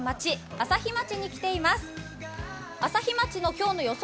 朝日町の今日の予想